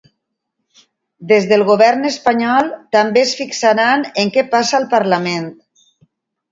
Des del govern espanyol també es fixaran en què passa al parlament.